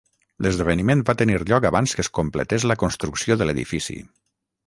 L'esdeveniment va tenir lloc abans que es completés la construcció de l'edifici.